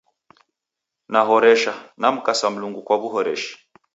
Nahoresha, namkasa Mlungu kwa w'uhoreshi